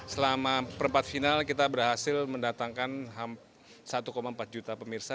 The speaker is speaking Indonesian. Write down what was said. selama perempat final kita berhasil mendatangkan satu empat juta pemirsa